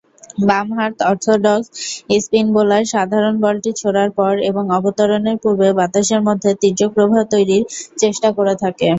বাম-হাত orthodox spin bowler সাধারণত বলটি ছোড়ার পর এবং অবতরণের পূর্বে বাতাসের মধ্যে তীর্যক প্রবাহ তৈরীর চেষ্টা করে থাকে।